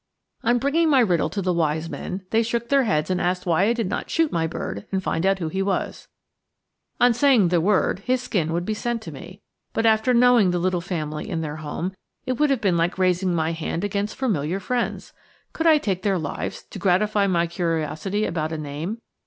On bringing my riddle to the wise men, they shook their heads and asked why I did not shoot my bird and find out who he was. On saying the word his skin would be sent to me; but after knowing the little family in their home it would have been like raising my hand against familiar friends. Could I take their lives to gratify my curiosity about a name?